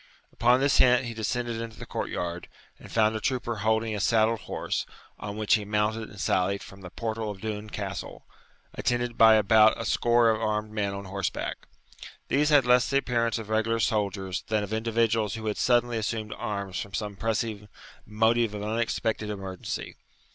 Upon this hint he descended into the court yard, and found a trooper holding a saddled horse, on which he mounted and sallied from the portal of Doune Castle, attended by about a score of armed men on horseback. These had less the appearance of regular soldiers than of individuals who had suddenly assumed arms from some pressing motive of unexpected emergency.